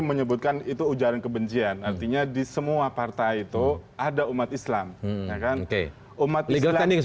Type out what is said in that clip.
menyebutkan itu ujaran kebencian artinya di semua partai itu ada umat islam umat islam